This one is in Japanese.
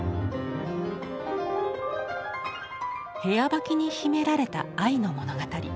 「部屋履き」に秘められた愛の物語。